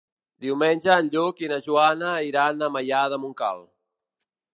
Diumenge en Lluc i na Joana iran a Maià de Montcal.